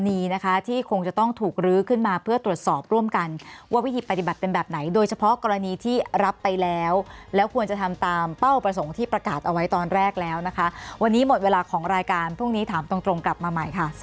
วันนี้นะคะที่คงจะต้องถูกลื้อขึ้นมาเพื่อตรวจสอบร่วมกันว่าวิธีปฏิบัติเป็นแบบไหนโดยเฉพาะกรณีที่รับไปแล้วแล้วควรจะทำตามเป้าประสงค์ที่ประกาศเอาไว้ตอนแรกแล้วนะคะวันนี้หมดเวลาของรายการพรุ่งนี้ถามตรงตรงกลับมาใหม่ค่ะ